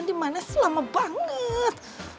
lima di mana selama banget